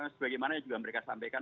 sebagai mana juga mereka sampaikan